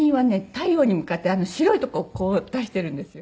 太陽に向かってあの白いとこをこう出してるんですよ